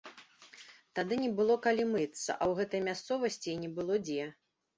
Тады не было калі мыцца, а ў гэтай мясцовасці і не было дзе.